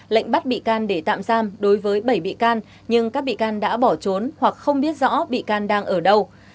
lệnh bắt bị can để tạm giam đối với bảy bị can nhưng các bị can đã bỏ trốn hoặc không biết rõ bị can đang ở đâu